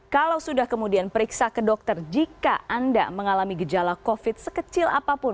kalau sudah kemudian periksa ke dokter jika anda mengalami gejala covid sekecil apapun